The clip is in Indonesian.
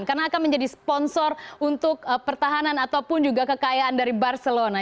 karena akan menjadi sponsor untuk pertahanan ataupun juga kekayaan dari barcelona